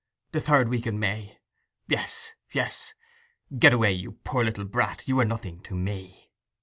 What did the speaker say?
. the third week in May ... Yes ... yes ... Get away, you poor little brat! You are nothing to me!